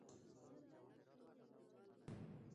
هغه غوښتل چې خپل واک یوازې په خپلو منګولو کې وساتي.